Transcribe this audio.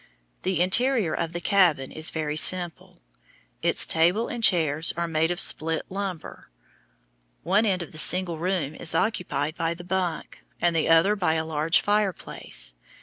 The interior of the cabin is very simple. Its table and chairs are made of split lumber. One end of the single room is occupied by the bunk, and the other by a large fireplace.